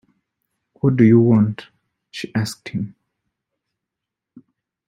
“What do you want?” she asked him.